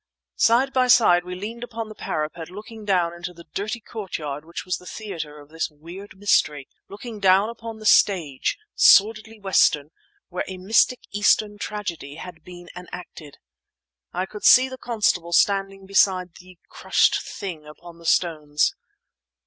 Side by side we leaned upon the parapet looking down into the dirty courtyard which was the theatre of this weird mystery; looking down upon the stage, sordidly Western, where a mystic Eastern tragedy had been enacted. I could see the constable standing beside the crushed thing upon the stones.